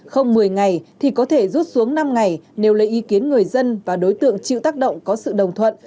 không một mươi ngày thì có thể rút xuống năm ngày nếu lấy ý kiến người dân và đối tượng chịu tác động có sự đồng thuận